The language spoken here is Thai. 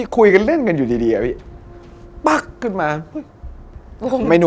คุยกันเล่นกันอยู่ดีอะพี่